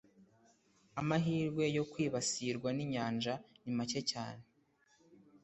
amahirwe yo kwibasirwa ninyanja ni make cyane